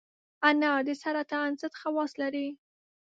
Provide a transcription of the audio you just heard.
انار د سرطان ضد خواص لري.